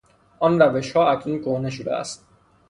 آن روشها اکنون کهنه شده است.